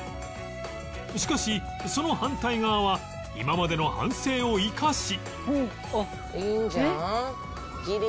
しかしその反対側は今までの反省を生かし